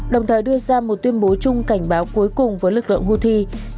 đồng thời đưa ra một tuyên bố chung cảnh báo cuối cùng với lực lượng houthi